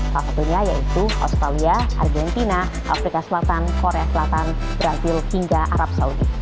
salah satunya yaitu australia argentina afrika selatan korea selatan brazil hingga arab saudi